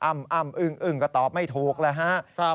อ้ำอ้ำอึ้งอึ้งก็ตอบไม่ถูกแล้วฮะ